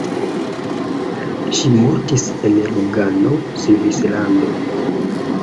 Ŝi mortis en Lugano, Svislando.